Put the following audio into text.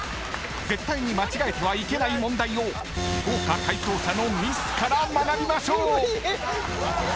［絶対に間違えてはいけない問題を豪華解答者のミスから学びましょう］